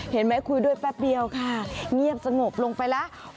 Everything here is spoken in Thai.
เห็นไหมคุยด้วยแป๊บเดียวค่ะเงียบสงบลงไปแล้ว